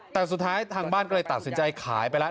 แต่สุดท้ายทางบ้านก็เลยตัดสินใจขายไปแล้ว